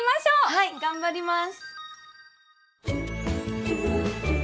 はい頑張ります！